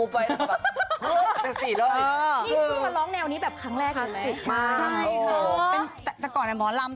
เพคี่มาร้องแนวนี้แบบครั้งแรกเลย